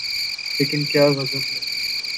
لیکن کیا غضب ہے۔